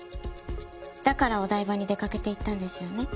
だからお台場に出掛けていったんですよね？